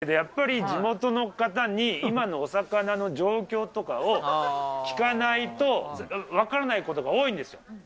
そんなことないんですけど、やっぱり地元の方に今のお魚の状況とかを、聞かないと分からないことが多いんですよ。